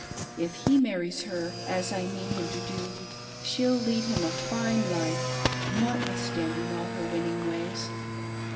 If he marries her, as I mean him to do, she'll lead him a fine life, notwithstand ing all her winning ways.